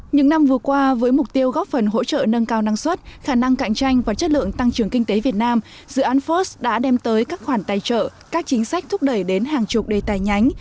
những năm vừa qua với mục tiêu góp phần hỗ trợ nâng cao năng suất khả năng cạnh tranh và chất lượng tăng trưởng kinh tế việt nam dự án first đã đem tới các khoản tài trợ các chính sách thúc đẩy đến hàng chục đề tài nhánh